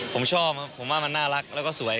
ผมชอบครับผมว่ามันน่ารักแล้วก็สวย